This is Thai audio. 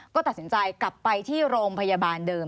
ก็ตัดสินใจกลับไปที่โรงพยาบาลเดิม